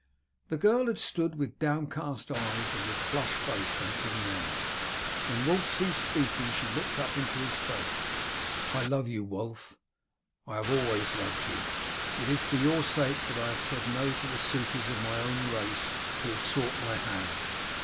The girl had stood with downcast eyes and with flushed face until now. When Wulf ceased speaking she looked up into his face: "I love you, Wulf; I have always loved you. It is for your sake that I have said no to the suitors of my own race who have sought my hand.